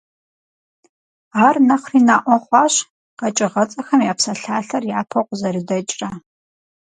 Ар нэхъри наӏуэ хъуащ «Къэкӏыгъэцӏэхэм я псалъалъэр» япэу къызэрыдэкӏрэ.